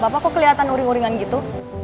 bapak kok kelihatan uring uringan gitu